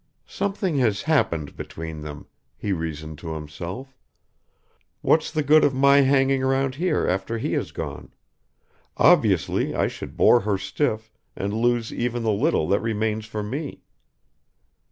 "Something has happened between them," he reasoned to himself; "what's the good of my hanging around here after he has gone? Obviously I should bore her stiff, and lose even the little that remains for me."